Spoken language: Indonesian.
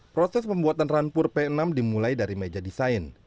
proses pembuatan rampur p enam dimulai dari meja desain